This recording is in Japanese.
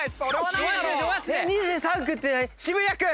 ２３区って渋谷区。